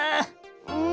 うん。